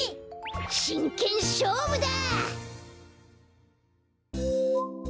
しんけんしょうぶだ！